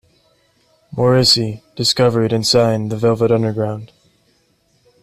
Morrissey discovered and signed the Velvet Underground.